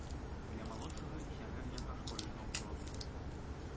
Для малодшага і сярэдняга школьнага ўзросту.